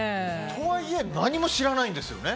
とはいえ何も知らないんですよね。